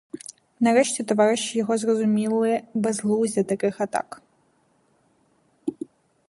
Нарешті товариші його зрозуміли безглуздя таких атак.